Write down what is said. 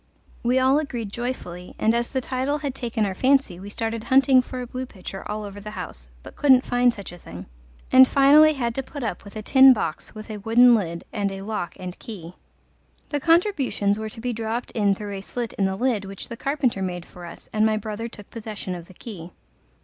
We all agreed joyfully, and as the title had taken our fancy we started hunting for a blue pitcher all over the house, but couldn't find such a thing, and finally had to put up with a tin box with a wooden lid and a lock and key. The contributions were to be dropped in through a slit in the lid which the carpenter made for us, and my brother took possession of the key.